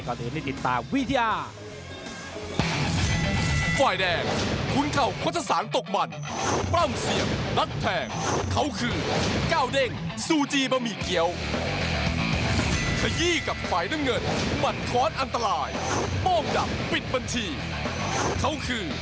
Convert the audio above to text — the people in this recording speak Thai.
ก่อนที่ได้ติดตามวิทยา